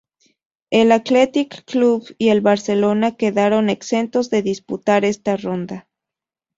El Athletic Club y el Barcelona quedaron exentos de disputar esta ronda.